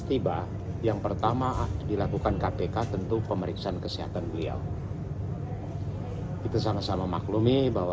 terkait penangkapan lukas nmb dalam keterangan pers di jayapura pada selasa sore